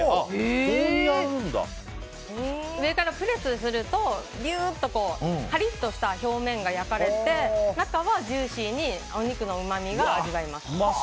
上からプレスするとパリッとした表面が焼かれて、中はジューシーにお肉のうまみが味わえます。